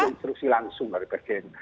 instruksi langsung dari presiden